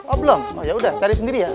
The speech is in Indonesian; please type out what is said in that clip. oh belom yaudah cari sendiri ya